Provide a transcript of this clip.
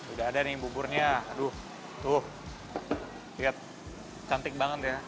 udah ada nih buburnya aduh tuh lihat cantik banget ya